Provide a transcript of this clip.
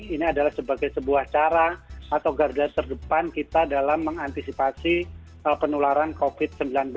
ini adalah sebagai sebuah cara atau garda terdepan kita dalam mengantisipasi penularan covid sembilan belas